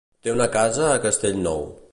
Té una casa a Castellnou.